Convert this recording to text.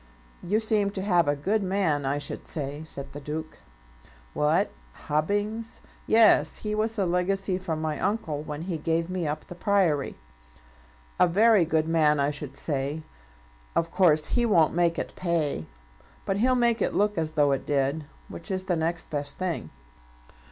"You seem to have a good man, I should say," said the Duke. "What! Hubbings? Yes; he was a legacy from my uncle when he gave me up the Priory." "A very good man, I should say. Of course he won't make it pay; but he'll make it look as though it did; which is the next best thing.